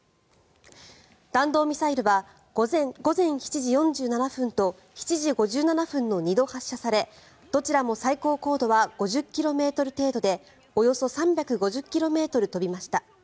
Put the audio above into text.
弾道ミサイルは午前７時４７分と７時５７分の２度発射されどちらも最高高度は５０ｋｍ程度でおよそ３５０ｋｍ飛びました。